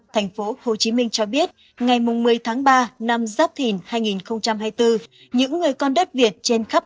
thành phố hồ chí minh cho biết ngày một mươi tháng ba năm giáp thìn hai nghìn hai mươi bốn những người con đất việt trên khắp